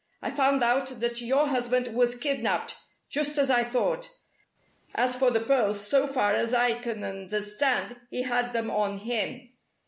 I've found out that your husband was kidnapped, just as I thought. As for the pearls, so far as I can understand, he had them on him.